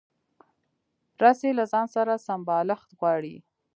رسۍ له ځان سره سمبالښت غواړي.